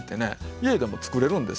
家でも作れるんですよ。